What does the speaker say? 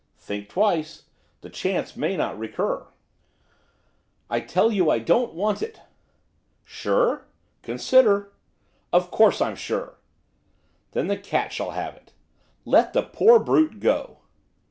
'Think twice, the chance may not recur.' 'I tell you I don't want it.' 'Sure? Consider!' 'Of course I'm sure!' 'Then the cat shall have it.' 'Let the poor brute go!